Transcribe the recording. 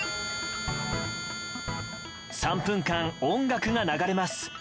３分間、音楽が流れます。